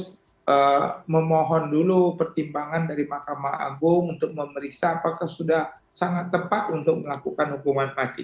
saya memohon dulu pertimbangan dari mahkamah agung untuk memeriksa apakah sudah sangat tepat untuk melakukan hukuman mati